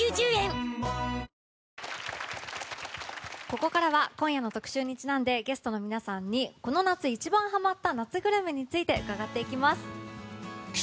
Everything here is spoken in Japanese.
ここからは今夜の特集にちなんでゲストの皆さんにこの夏一番ハマった夏グルメについて伺っていきます。